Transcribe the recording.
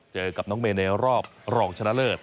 เจอกับน้องเมย์ในรอบรองชนะเลิศ